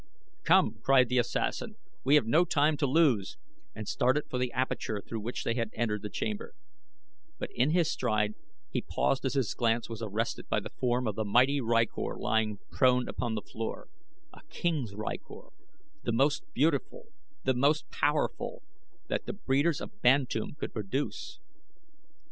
"Come!" cried the assassin, "we have no time to lose," and started for the aperture through which they had entered the chamber; but in his stride he paused as his glance was arrested by the form of the mighty rykor lying prone upon the floor a king's rykor; the most beautiful, the most powerful, that the breeders of Bantoom could produce.